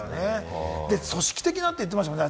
組織的なって言ってましたね。